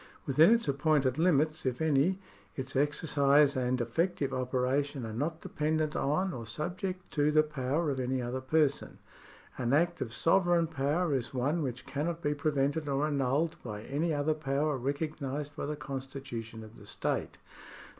Within its appointed limits, if any, its exercise and effective operation are not dependent on or subject to the power of any other person. An act of sovereign power is one which cannot be prevented or annulled by any other power recognised by the constitution of the state.